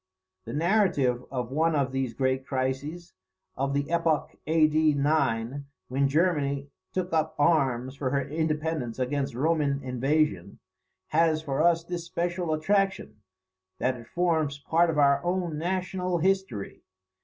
The narrative of one of these great crises, of the epoch A.D. 9, when Germany took up arms for her independence against Roman invasion, has for us this special attraction that it forms part of our own national history.